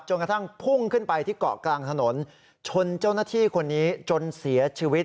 กระทั่งพุ่งขึ้นไปที่เกาะกลางถนนชนเจ้าหน้าที่คนนี้จนเสียชีวิต